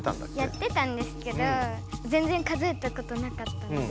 やってたんですけどぜんぜん数えたことなかったので。